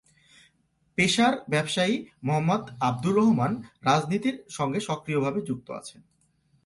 পেশার ব্যবসায়ী মো: আব্দুর রহমান রাজনীতির সঙ্গে সক্রিয় ভাবে যুক্ত আছেন।